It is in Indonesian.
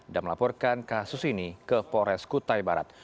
melaporkan kasus ini ke polres kutai barat